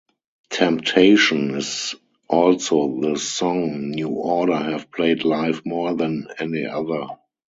"Temptation" is also the song New Order have played live more than any other.